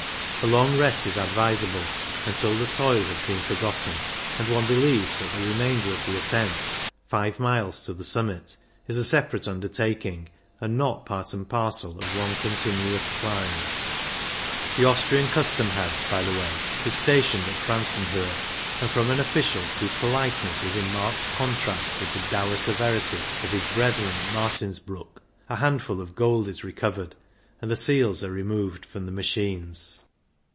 A long rest is advisable, until the toil has been forgotten, and one believes that the remainder of the ascent, five miles to the summit, is a separate undertaking, and not part and parcel of one continuous climb. The Austrian Custom House, by the way, is stationed at Franzenhohe, and, from an official whose politeness is in marked contrast with the " dour " severity of his brethren of Martinsbruck, a handful of gold is recovered, and the seals are removed from the machines.